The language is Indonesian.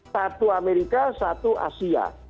satu amerika satu asia